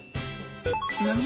何？